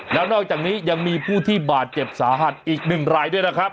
แล้วนอกจากนี้ยังมีผู้ที่บาดเจ็บสาหัสอีกหนึ่งรายด้วยนะครับ